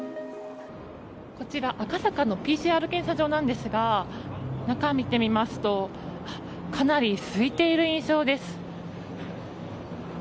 こちら赤坂のＰＣＲ検査場なんですが中を見てみますとかなりすいている印象です。